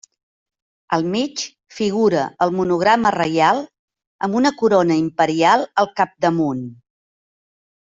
Al mig figura el monograma reial, amb una corona imperial al capdamunt.